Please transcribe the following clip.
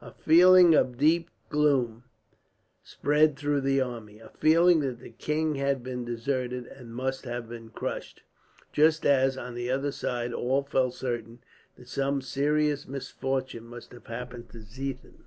A feeling of deep gloom spread through the army, a feeling that the king had been deserted, and must have been crushed; just as, on the other side, all felt certain that some serious misfortune must have happened to Ziethen.